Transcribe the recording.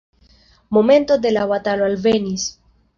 Momento de la batalo alvenis.